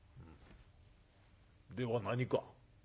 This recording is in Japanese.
「では何か？